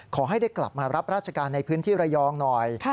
ขอให้ได้กลับมารับราชการในพื้นที่ระยองหน่อย